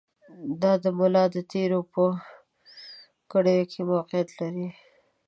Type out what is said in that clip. دا د ملا د تېر په کړیو کې موقعیت لري.